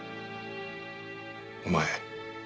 お前